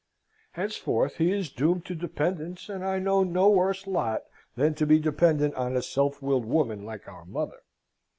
Henceforth he is doomed to dependence, and I know no worse lot than to be dependent on a self willed woman like our mother.